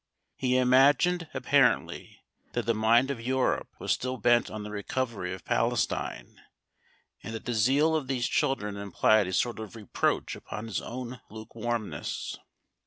He imagined, apparently, that the mind of Europe was still bent on the recovery of Palestine, and that the zeal of these children implied a sort of reproach upon his own lukewarmness.